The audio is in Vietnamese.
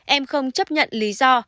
em không chấp nhận lý do